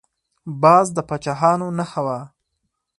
باز د پاچاهانو نښه وه